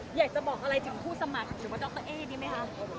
อยากจะบอกอะไรถึงผู้สมัครหรือว่าดรเอ๊ดีไหมคะ